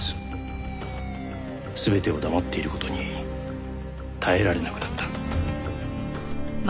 全てを黙っている事に耐えられなくなった。